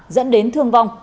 dẫn đến thương vong